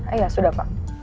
iya sudah pak